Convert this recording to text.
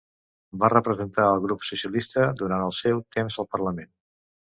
Va representar al grup socialista durant el seu temps al Parlament.